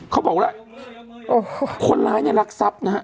เขาบอกว่าคนร้ายเนี่ยรักษัพนะฮะ